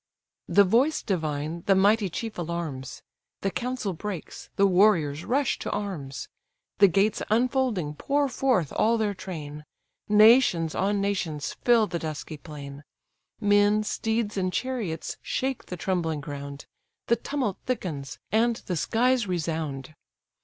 The voice divine the mighty chief alarms; The council breaks, the warriors rush to arms. The gates unfolding pour forth all their train, Nations on nations fill the dusky plain, Men, steeds, and chariots, shake the trembling ground: The tumult thickens, and the skies resound.